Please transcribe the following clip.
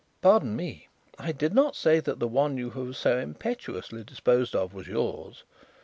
"Pardon me, I did not say that the one you have so impetuously disposed of was yours.